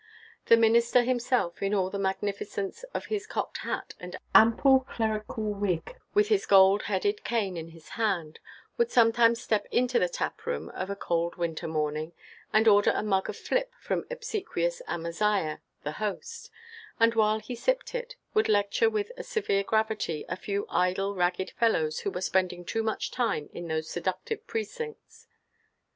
The minister himself, in all the magnificence of his cocked hat and ample clerical wig, with his gold headed cane in his hand, would sometimes step into the tap room of a cold winter morning, and order a mug of flip from obsequious Amaziah the host, and, while he sipped it, would lecture with a severe gravity a few idle, ragged fellows who were spending too much time in those seductive precincts.